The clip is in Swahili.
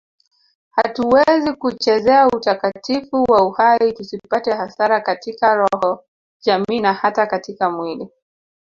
Hatuwezi kuchezea utakatifu wa uhai tusipate hasara katika roho jamii na hata katika mwili